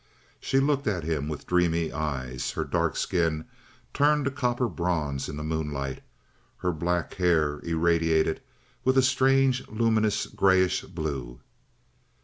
She looked at him with dreamy eyes, her dark skin turned a copper bronze in the moonlight, her black hair irradiated with a strange, luminous grayish blue.